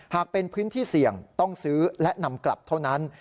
หากเป็นพื้นที่เสี่ยงต้องซื้อและนำกลับเท่านั้น